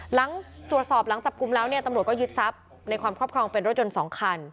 หลังตรวจสอบหลังจับกลุ่มแล้วเนี่ยตำรวจก็ยึดทรัพย์ในความครอบครองเป็นรถยนต์๒คัน